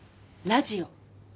ラジオ？